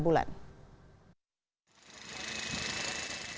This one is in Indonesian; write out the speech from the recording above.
pembangunan jawa barat